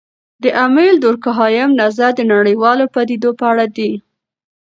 د امیل دورکهايم نظر د نړیوالو پدیدو په اړه دی.